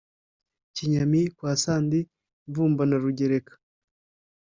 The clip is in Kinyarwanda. Kinyami kwa Sandi mvumba na Rugereka